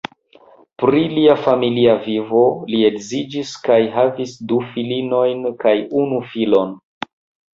Pri lia familia vivo: li edziĝis kaj havis du filinojn kaj unu filon.